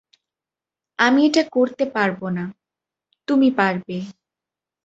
আমি এটা করতে পারবো না - তুমি পারবে।